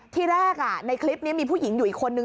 ที่แรกในคลิปนี้มีผู้หญิงอยู่อีกคนนึง